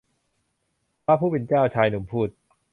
พระผู้เป็นเจ้า ชายหนุ่มพูด